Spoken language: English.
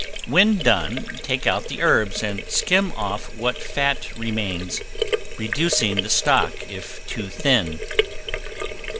When done take out the herbs and skim off what fat remains, reducing the stock if too thin.